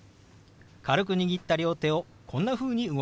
軽く握った両手をこんなふうに動かします。